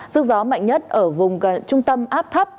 sức gió mạnh nhất ở vùng trung tâm áp thấp